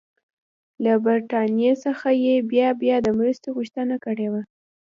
له برټانیې څخه یې بیا بیا د مرستې غوښتنه کړې وه.